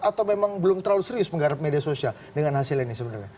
atau memang belum terlalu serius menggarap media sosial dengan hasil ini sebenarnya